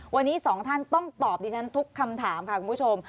วันนี้สองท่านต้องตอบดิฉันทุกคำถามค่ะคุณผู้ชม